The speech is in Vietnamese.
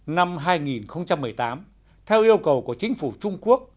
năm hai nghìn một mươi tám theo yêu cầu của chính phủ trung quốc